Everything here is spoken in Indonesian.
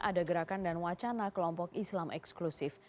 ada gerakan dan wacana kelompok islam eksklusif